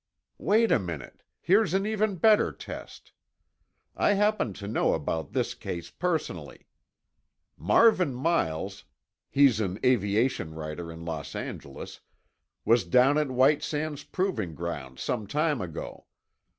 "Wait a minute, here's an even better test. I happen to know about this case personally. Marvin Miles—he's an aviation writer in Los Angeles—was down at White Sands Proving Ground some time ago.